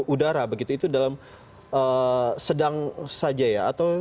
udara begitu itu dalam sedang saja ya